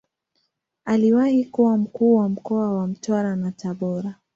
Aliwahi kuwa Mkuu wa mkoa wa Mtwara na Tabora.